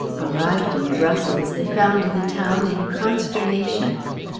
Arrived in Brussels they found the town in consternation.